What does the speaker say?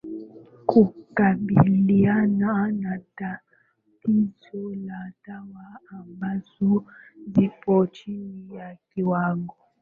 kukabiliana na tatizo la dawa ambazo zipo chini ya kiwango